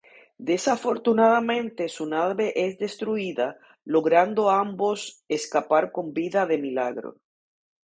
Desafortunadamente su nave es destruida, logrando ambos, escapar con vida de milagro.